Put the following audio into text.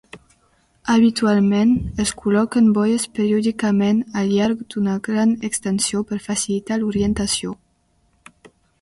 Habitualment, es col·loquen boies periòdicament al llarg d'una gran extensió per facilitar l'orientació.